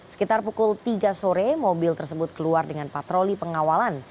sekitar pukul tiga sore mobil tersebut keluar dengan patroli pengawalan